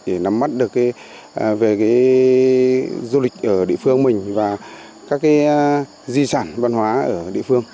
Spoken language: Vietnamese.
để nắm mắt được về du lịch ở địa phương mình và các di sản văn hóa ở địa phương